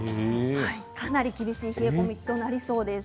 かなり厳しい冷え込みとなりそうです。